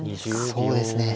そうですね。